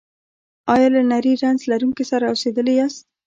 ایا له نري رنځ لرونکي سره اوسیدلي یاست؟